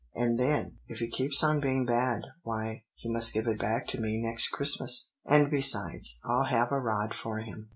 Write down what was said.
And then, if he keeps on being bad, why, he must give it back to me next Christmas; and besides, I'll have a rod for him.